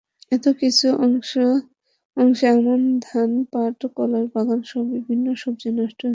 এতে কিছু অংশে আমন ধান, পাট, কলার বাগানসহ বিভিন্ন সবজি নষ্ট হচ্ছে।